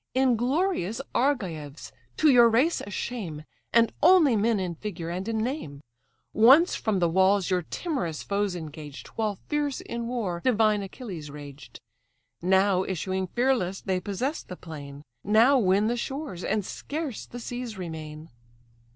"Inglorious Argives! to your race a shame, And only men in figure and in name! Once from the walls your timorous foes engaged, While fierce in war divine Achilles raged; Now issuing fearless they possess the plain, Now win the shores, and scarce the seas remain."